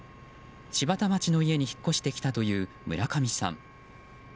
柴田町の家に引っ越してきたという村上さん。